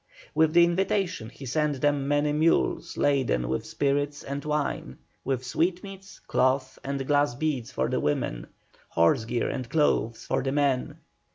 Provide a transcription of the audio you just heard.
With the invitation he sent them many mules laden with spirits and wine, with sweetmeats, cloth, and glass beads for the women, horse gear and clothes for the men.